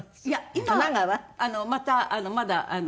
今はまたまだ。